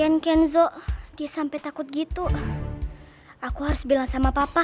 ken kenzo dia sampai takut gitu aku harus bilang sama papa